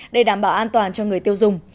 để đảm bảo an toàn cho người tiêu dùng